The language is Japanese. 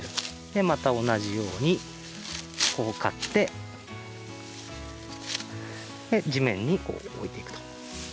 でまたおなじようにこうかってでじめんにおいていくと。